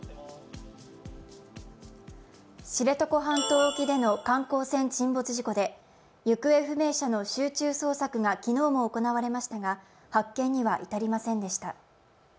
知床半島沖での観光船沈没事故で行方不明者の集中捜索が昨日も行われましたが発見には至りませんでした。